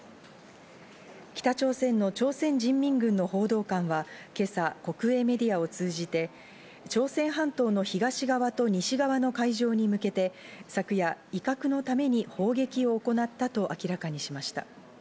北朝鮮の朝鮮人民軍の報道官は今朝、国営メディアを通じて朝鮮半島の東側と西側の海上に向けて、昨夜、威嚇のために砲撃を行ったと明らかにしました。